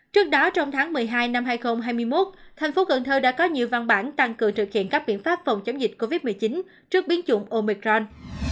trước đó trong tháng một mươi hai năm hai nghìn hai mươi một tp hcm đã có nhiều văn bản tăng cường thực hiện các biện pháp phòng chống dịch covid một mươi chín trước biến chủng omicron